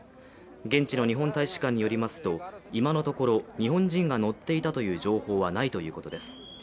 現地の日本大使館によりますと今のところ、日本人が乗っていたという情報はないということです。